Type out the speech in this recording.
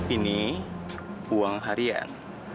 ini uang harian